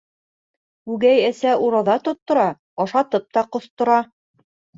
Үгәй әсә ураҙа тоттора, ашатып та ҡоҫтора.